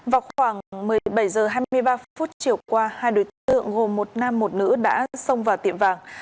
vào khoảng một mươi bảy h hai mươi ba phút chiều qua hai đối tượng gồm một nam một nữ đã xông vào tiệm vàng